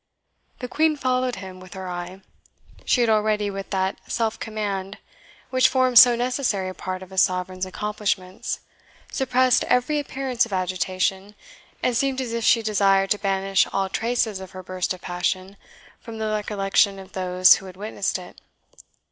The Queen followed him with her eye. She had already, with that self command which forms so necessary a part of a Sovereign's accomplishments, suppressed every appearance of agitation, and seemed as if she desired to banish all traces of her burst of passion from the recollection of those who had witnessed it.